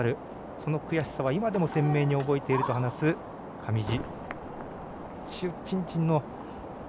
その悔しさは今でも鮮明に覚えていると話す上地。